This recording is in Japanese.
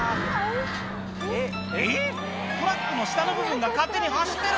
えっ⁉トラックの下の部分が勝手に走ってる！